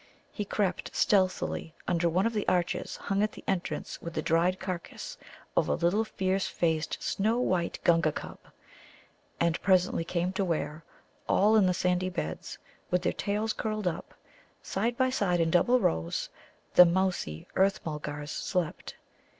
He crept stealthily under one of the arches hung at the entrance with the dried carcass of a little fierce faced, snow white Gunga cub, and presently came to where, all in their sandy beds, with their tails curled up, side by side in double rows, the mousey Earth mulgars slept.